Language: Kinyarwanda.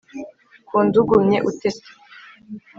Kunda ugumye utete